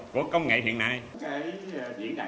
của công nghiệp lần thứ tư